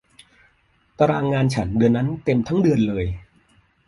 ตารางงานฉันเดือนนั้นเต็มทั้งเดือนเลย